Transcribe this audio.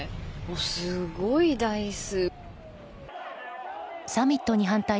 すごい台数。